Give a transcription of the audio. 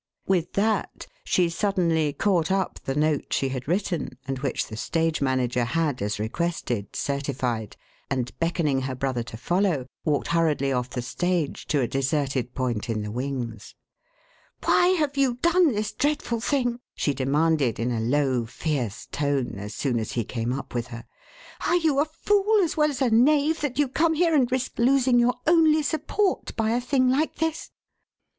With that she suddenly caught up the note she had written and which the stage manager had, as requested, certified and, beckoning her brother to follow, walked hurriedly off the stage to a deserted point in the wings. "Why have you done this dreadful thing?" she demanded in a low, fierce tone as soon as he came up with her. "Are you a fool as well as a knave that you come here and risk losing your only support by a thing like this?"